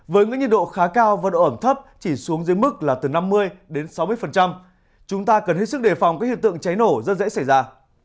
với nhiệt độ khá cao và độ ẩm thấp chỉ xuống dưới mức là từ năm mươi đến sáu mươi chúng ta cần hết sức đề phòng các hiện tượng cháy nổ rất dễ xảy ra